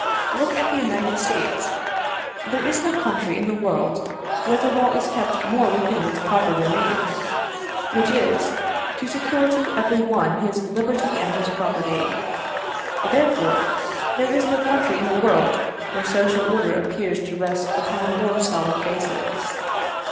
Look at the United States. There is no country in the world where the law is kept more within its proper domain which is, to secure to every one his liberty and his property. Therefore, there is no country in the world where social order appears to rest upon a more solid basis.